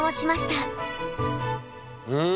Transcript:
うん？